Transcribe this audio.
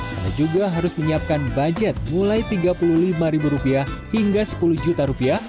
anda juga harus menyiapkan budget mulai rp tiga puluh lima ribu rupiah hingga sepuluh juta rupiah